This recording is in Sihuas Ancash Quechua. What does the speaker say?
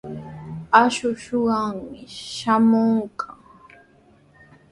Akshu suqakuqmi shamuykan.